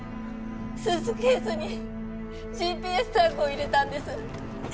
スーツケースに ＧＰＳ タグを入れたんです